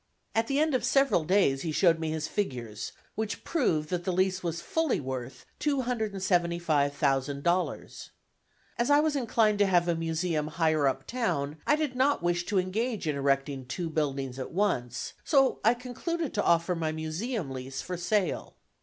At the end of several days, he showed me his figures, which proved that the lease was fully worth $275,000. As I was inclined to have a museum higher up town, I did not wish to engage in erecting two buildings at once, so I concluded to offer my museum lease for sale.